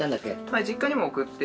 はい実家にも送って。